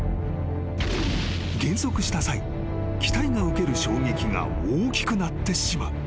［減速した際機体が受ける衝撃が大きくなってしまう］